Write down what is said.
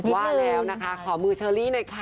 ว่าแล้วนะคะขอมือเชอรี่หน่อยค่ะ